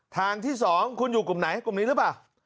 ทางที่๒คุณอยู่กลุ่มไหนกลุ่มนี้หรือเปล่า